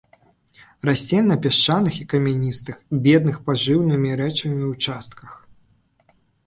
Расце на пясчаных і камяністых, бедных пажыўнымі рэчывамі участках.